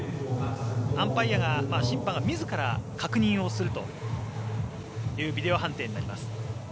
アンパイア、審判が自ら確認をするというビデオ判定になります。